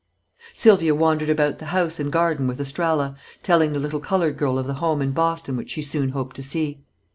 Sylvia wandered about the house and garden with Estralla, telling the little colored girl of the home in Boston which she soon hoped to see.